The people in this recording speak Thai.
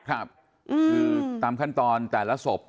คือตามขั้นตอนแต่ละศพ